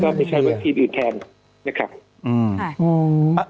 ก็ไม่ใช่วัคซีนอื่นแทนนะครับ